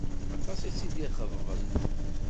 Aṭas i tt-id-ixeḍben.